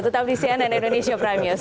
tetap di cnn indonesia prime news